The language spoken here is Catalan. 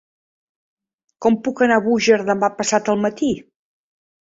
Com puc anar a Búger demà passat al matí?